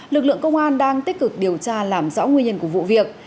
lực lượng công an đang tích cực điều tra làm rõ nguyên nhân của vụ việc